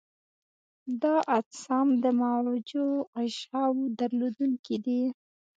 دا اجسام د معوجو غشاوو درلودونکي دي.